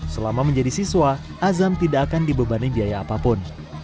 selama menjadi siswa azam tidak akan dibebani biaya apapun